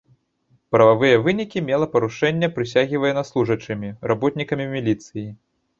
Прававыя вынікі мела парушэнне прысягі ваеннаслужачымі, работнікамі міліцыі.